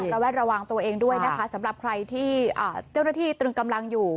ระแวดระวังตัวเองด้วยนะคะสำหรับใครที่เจ้าหน้าที่ตรึงกำลังอยู่